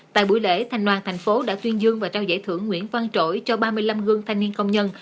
tại buổi lễ thanh đoàn tp hcm đã tuyên dương và trao giải thưởng nguyễn văn trỗi cho ba mươi năm gương thanh niên công nhân